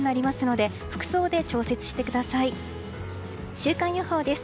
週間予報です。